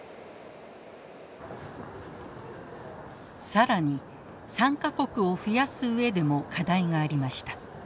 更に参加国を増やす上でも課題がありました。